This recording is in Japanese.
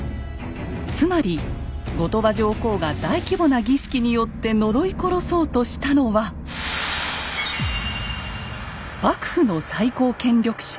つまり後鳥羽上皇が大規模な儀式によって呪い殺そうとしたのは幕府の最高権力者北条義時です。